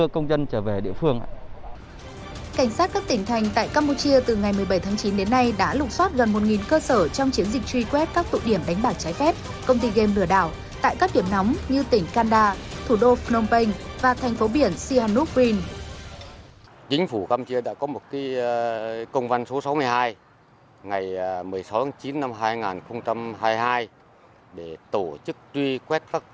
cảnh sát các tỉnh thành tại campuchia từ ngày một mươi bảy tháng chín đến nay đã lục xót gần một cơ sở trong chiến dịch truy quét các tụ điểm đánh bạc trái phép công ty game lửa đảo tại các điểm nóng như tỉnh kanda thủ đô phnom penh và thành phố biển sihanoukville